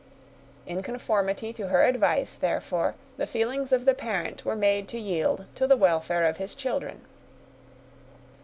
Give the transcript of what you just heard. In conformity to her advice, therefore, the feelings of the parent were made to yield to the welfare of his children.